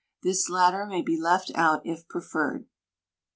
This latter may be left out if preferred.